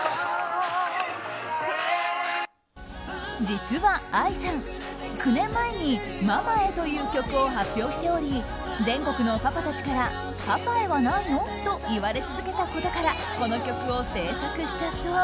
実はＡＩさん、９年前に「ママへ」という曲を発表しており全国のパパたちからは「パパへ」はないの？と言われ続けたことからこの曲を制作したそう。